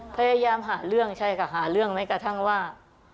พยายามหาเรื่องใช่ค่ะหาเรื่องแม้กระทั่งว่า